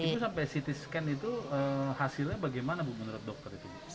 itu sampai ct scan itu hasilnya bagaimana bu menurut dokter itu